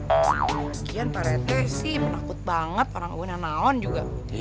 sekian pak rete sih menakut banget orang uwina naon juga